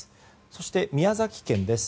そして、宮崎県です。